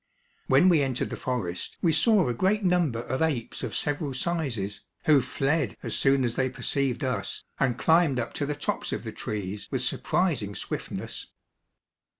When we entered the forest, we saw a great number of apes of several sizes, who fled as soon as they perceived us and climbed up to the tops of the trees with surprising swiftness.